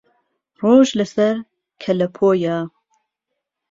ڕۆژ لە سەر کەلەپۆیە